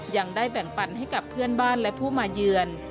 ยังได้แบ่งปันให้กับเพื่อนบ้านและผู้มาเยือน